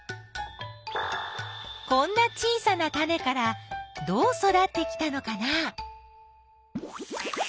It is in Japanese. こんな小さなタネからどう育ってきたのかな？